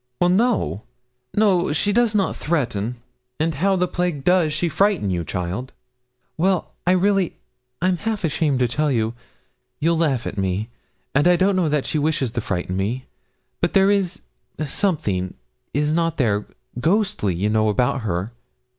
'Well, no no, she does not threaten.' 'And how the plague does she frighten you, child?' 'Well, I really I'm half ashamed to tell you you'll laugh at me and I don't know that she wishes to frighten me. But there is something, is not there, ghosty, you know, about her?'